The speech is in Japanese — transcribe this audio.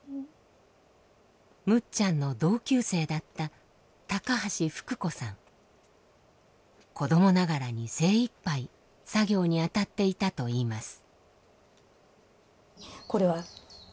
むっちゃんの同級生だった子どもながらに精いっぱい作業に当たっていたといいます。